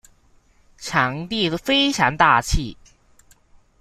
場地非常大氣